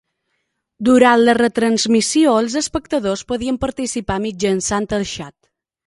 Durant la retransmissió els espectadors podien participar mitjançant el xat.